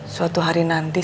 suatu hari nanti